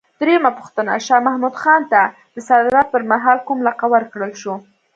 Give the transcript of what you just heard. درېمه پوښتنه: شاه محمود خان ته د صدارت پر مهال کوم لقب ورکړل شو؟